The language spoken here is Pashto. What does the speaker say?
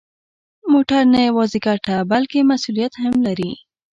موټر نه یوازې ګټه، بلکه مسؤلیت هم لري.